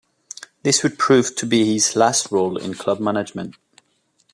This would prove to be his last role in club management.